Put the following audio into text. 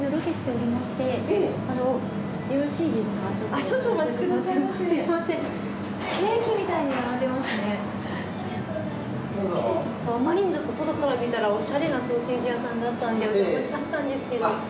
あまりに外から見たらおしゃれなソーセージ屋さんだったんでおじゃましちゃったんですけど。